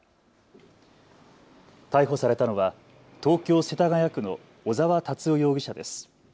逮捕されたのは東京世田谷区の小澤龍雄容疑者です。